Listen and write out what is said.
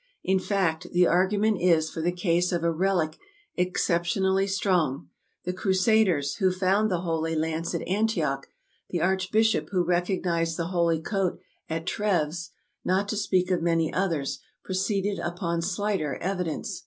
In fact, the argument is for the case of a relic exceptionally strong; the Crusaders who found the Holy Lance at Antioch, the archbishop who recognized the Holy Coat at Treves, not to speak of many others, proceeded ASIA 279 upon slighter evidence.